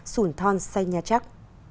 xuân thon sai nha trắc